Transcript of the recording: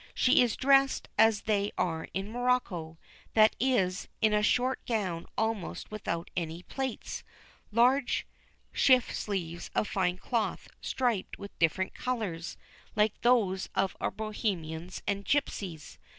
She is dressed as they are at Morocco, that is, in a short gown almost without any plaits, large shift sleeves of fine cloth striped with different colours like those of our Bohemians and gipseys.